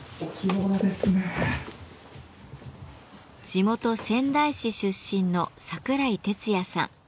地元仙台市出身の櫻井鉄矢さん。